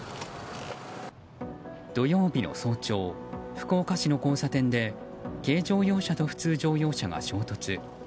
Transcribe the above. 土曜日の早朝、福岡市の交差点で軽乗用車と普通乗用車が衝突。